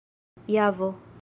javo